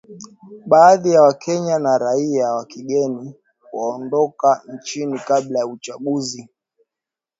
Baadhi ya Wakenya na raia wa kigeni waondoka nchi kabla ya uchaguzi